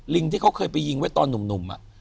ที่เขาเคยไปยิงไว้ตอนหนุ่ม